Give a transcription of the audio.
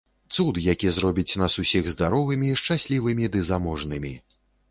Цуд, які зробіць нас усіх здаровымі, шчаслівымі ды заможнымі.